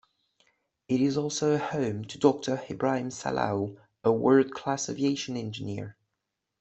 It is also a home to Doctor Ibrahim Salau, a world-class aviation engineer.